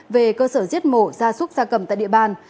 về cơ sở giết mổ ra xuất ra cầm tại địa bàn